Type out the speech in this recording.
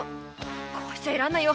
こうしちゃいられないよ